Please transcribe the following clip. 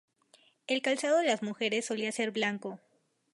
El calzado de las mujeres solía ser blanco.